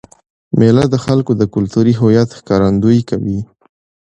مېله د خلکو د کلتوري هویت ښکارندويي کوي.